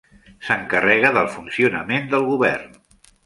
S'encarrega del funcionament del govern.